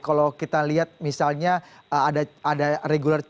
kalau kita lihat misalnya ada regular